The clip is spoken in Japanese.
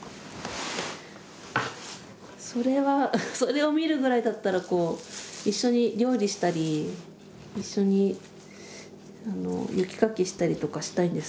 それはそれを見るぐらいだったら一緒に料理したり一緒に雪かきしたりとかしたいんですけど。